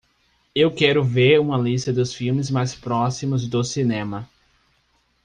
Eu quero ver uma lista dos filmes mais próximos do cinema